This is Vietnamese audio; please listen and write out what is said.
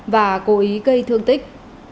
và bị cây thương tích